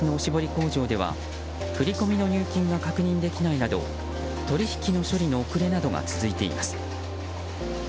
工場では振り込みの入金が確認できないなど取引の処理の遅れなどが続いています。